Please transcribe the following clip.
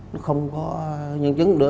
nó không có nhận chứng